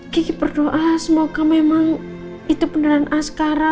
kiki berdoa semoga memang itu beneran askara